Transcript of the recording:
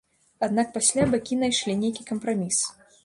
Аднак пасля бакі найшлі нейкі кампраміс.